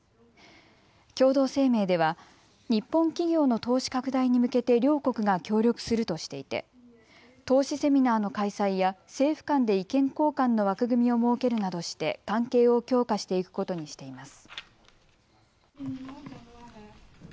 共同声明では日本企業の投資拡大に向けて両国が協力するとしていて投資セミナーの開催や政府間で意見交換の枠組みを設けるなどして関係を強化していくことにしています。